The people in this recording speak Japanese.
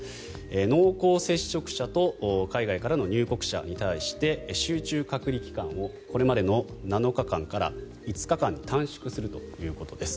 濃厚接触者と海外からの入国者に対して集中隔離期間をこれまでの７日間から５日間に短縮するということです。